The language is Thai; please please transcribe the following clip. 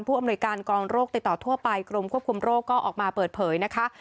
อำนวยการกองโรคติดต่อทั่วไปกรมควบคุมโรคก็ออกมาเปิดเผยนะคะ